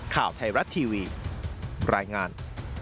ข่าวไทยรัฐทีวีรายงาน